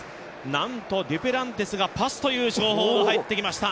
なんとデュプランティスがパスという情報が入ってきました。